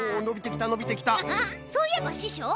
そういえばししょう！